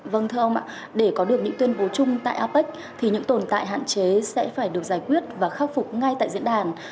vâng thưa ông ạ để có được những tuyên bố chung tại apec thì những tồn tại hạn chế sẽ phải được giải quyết và khắc phục ngay tại diễn đàn